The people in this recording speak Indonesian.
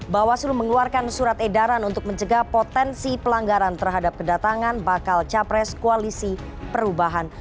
bawaslu mengeluarkan surat edaran untuk mencegah potensi pelanggaran terhadap kedatangan bakal capres koalisi perubahan